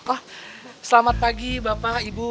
oh selamat pagi bapak ibu